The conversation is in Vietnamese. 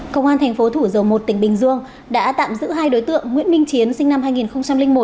công an thành phố thủ dầu một tỉnh bình dương đã tạm giữ hai đối tượng nguyễn minh chiến sinh năm hai nghìn một